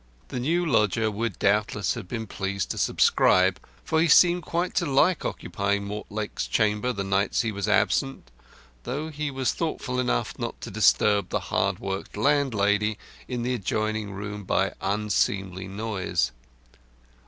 The new lodger would doubtless have been pleased to subscribe, for he seemed quite to like occupying Mortlake's chamber the nights he was absent, though he was thoughtful enough not to disturb the hard worked landlady in the adjoining room by unseemly noise.